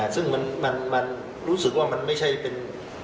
ซึ่งมันรู้สึกว่ามันไม่ใช่เป็น